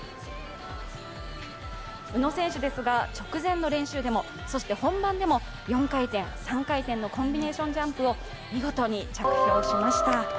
宇野選手ですが、直前の練習でもそして本番でも４回転・３回転のコンビネーションジャンプを見事に着氷しました。